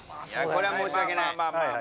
これは申し訳ない。